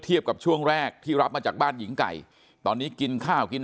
กับช่วงแรกที่รับมาจากบ้านหญิงไก่ตอนนี้กินข้าวกิน